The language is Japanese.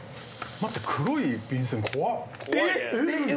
待って黒い便箋怖っ。